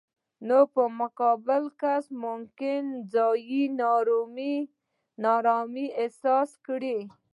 نو مقابل کس مو ممکن ځان نا ارامه احساس کړي.